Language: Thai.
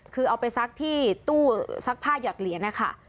คือเอาไปซักที่ตู้ซักผ้าหยอดเหรียญนะคะ